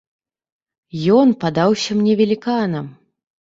Ён падаўся мне веліканам.